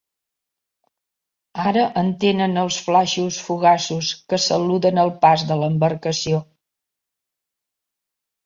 Ara entenen els flaixos fugaços que saluden el pas de l'embarcació.